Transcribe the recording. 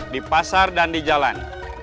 di pasar dan di jalan